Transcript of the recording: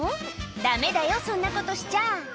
だめだよ、そんなことしちゃ。